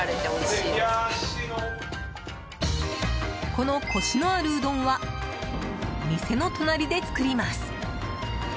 このコシのあるうどんは店の隣で作ります。